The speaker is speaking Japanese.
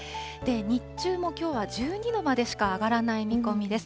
日中もきょうは１２度までしか上がらない見込みです。